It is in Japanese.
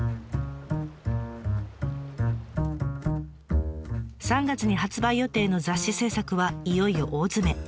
３月に発売予定の雑誌制作はいよいよ大詰め。